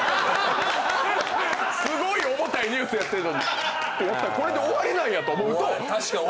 すごい重たいニュースやってんのにてやったらこれで終わりなんやと思うと。